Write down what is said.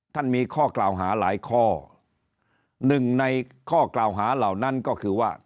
มีข้อกล่าวหาหลายข้อหนึ่งในข้อกล่าวหาเหล่านั้นก็คือว่า